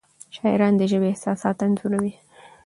شاعران د ژبې احساسات انځوروي.